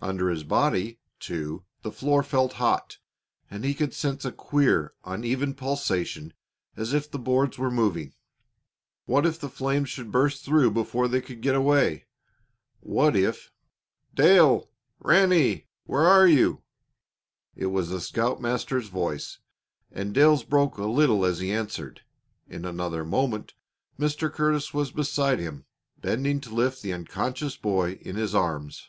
Under his body, too, the floor felt hot, and he could sense a queer, uneven pulsation as if the boards were moving. What if the flames should burst through before they could get away? What if "Dale! Ranny! Where are you?" It was the scoutmaster's voice, and Dale's broke a little as he answered. In another moment Mr. Curtis was beside him, bending to lift the unconscious boy in his arms.